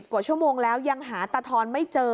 กว่าชั่วโมงแล้วยังหาตาทอนไม่เจอ